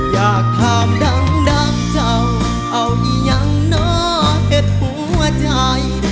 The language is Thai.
อยากข้ามดังดังเจ้าเอายังเนาะเห็นหัวใจ